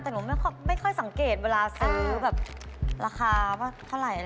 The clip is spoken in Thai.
แต่หนูไม่ค่อยสังเกตเวลาซื้อแบบราคาว่าเท่าไหร่